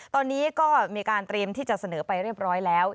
ตอนนี้ก็มีการเตรียมที่จะเสนอไปเรียบร้อยแล้ว